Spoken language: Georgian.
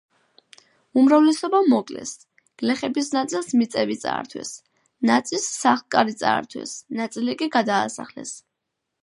უმრავლესობა მოკლეს, გლეხების ნაწილს მიწები წაართვეს, ნაწილს სახლ-კარი წაართვეს, ნაწილი კი გადაასახლეს.